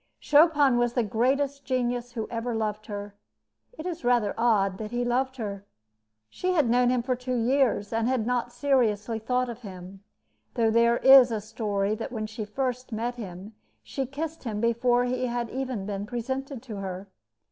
Chopin was the greatest genius who ever loved her. It is rather odd that he loved her. She had known him for two years, and had not seriously thought of him, though there is a story that when she first met him she kissed him before he had even been presented to her.